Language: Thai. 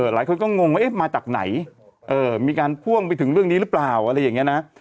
หลายคนก็งงว่ามาจากไหนมีการพ่วงไปถึงเรื่องนี้หรือเปล่าอะไรอย่างนี้นะ